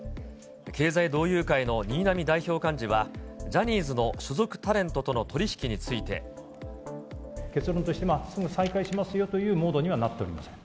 経済同友会の新浪代表幹事は、ジャニーズの所属タレントとの取り引きについて。結論として、すぐ再開しますよというモードにはなっておりません。